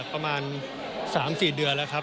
ประมาณ๓๔เดือนแล้วครับ